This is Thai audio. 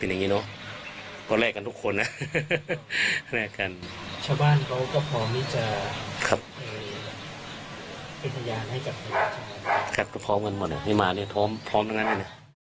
พยายามให้กับพยายามพร้อมกันหมดอ่ะนี่มานี่พร้อมพร้อมกันกันอ่ะ